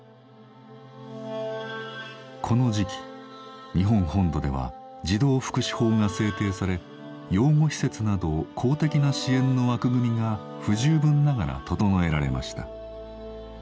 この時期日本本土では児童福祉法が制定され養護施設など公的な支援の枠組みが不十分ながら整えられました。